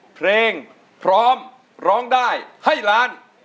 เพลงพร้อมร้องได้ให้ล้าน